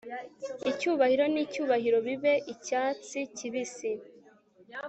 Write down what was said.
Icyubahiro nicyubahiro bibe icyatsi kibisi